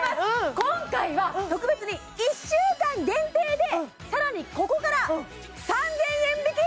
今回は特別に１週間限定でさらにここから３０００円引き！